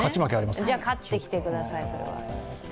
じゃあ勝ってきてください。